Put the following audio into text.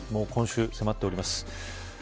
今週、迫っております。